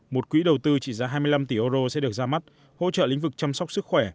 một quỹ đầu tư trị giá hai mươi năm tỷ euro sẽ được ra mắt hỗ trợ lĩnh vực chăm sóc sức khỏe